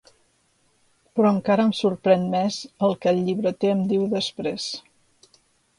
Però encara em sorprèn més el que el llibreter em diu després.